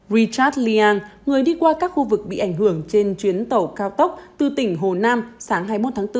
rechat lian người đi qua các khu vực bị ảnh hưởng trên chuyến tàu cao tốc từ tỉnh hồ nam sáng hai mươi một tháng bốn